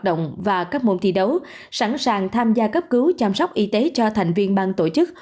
động và các môn thi đấu sẵn sàng tham gia cấp cứu chăm sóc y tế cho thành viên bang tổ chức